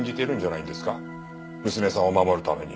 娘さんを守るために。